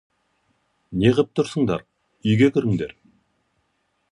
Неғып тұрсыңдар? Үйге кіріңдер.